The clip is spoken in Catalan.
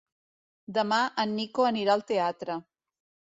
Demà en Nico anirà al teatre.